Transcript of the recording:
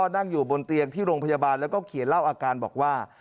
นั่งอยู่บนเตียงที่โรงพยาบาลแล้วก็เขียนเล่าอาการบอกว่า